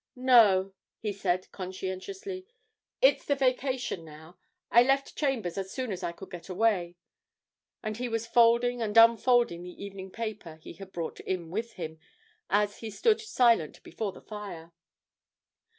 'No,' he said conscientiously, 'it's the Vacation now I left chambers as soon as I could get away,' and he was folding and unfolding the evening paper he had brought in with him, as he stood silent before the fire.